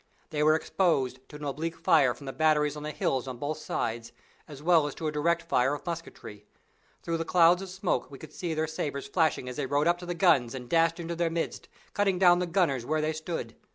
They were exposed to an oblique fire from the batteries on the hills on both sides, as well as to a direct fire of musketry. Through the clouds of smoke we could see their sabres flashing as they rode up to the guns and dashed into their midst, cutting down the gunners where they stood.